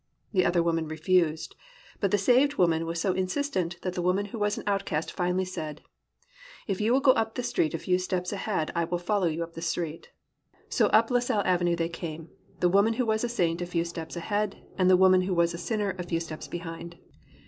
The other woman refused. But the saved woman was so insistent that the woman who was an outcast finally said, "If you will go up the street a few steps ahead I will follow you up the street." So up La Salle Avenue they came, the woman who was a saint a few steps ahead and the woman who was a sinner a few steps behind.